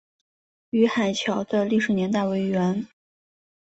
宁海桥的历史年代为元。